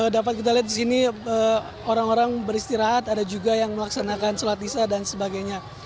dapat kita lihat di sini orang orang beristirahat ada juga yang melaksanakan sholat isya dan sebagainya